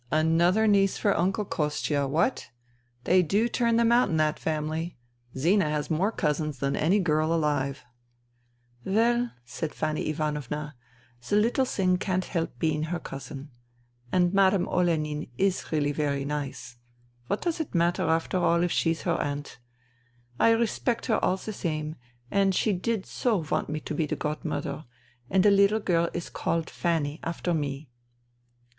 " Another niece for Uncle Kostia, what ! They do turn them out in that family. Zina has more cousins than any girl alive !'*" Well," said Fanny Ivanovna, " the little thing can't help being her cousin. And Madame Olenin is really very nice. What does it matter after all if she's her aunt ? I respect her all the same, and she did so want me to be the godmother, and the little girl is called Fanny after me."